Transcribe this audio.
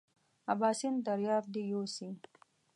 اباسین دریاب دې یوسي.